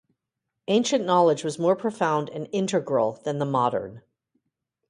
Ancient knowledge was more profound and integral than the modern.